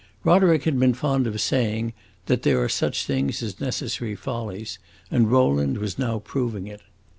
Roderick had been fond of saying that there are such things as necessary follies, and Rowland was now proving it.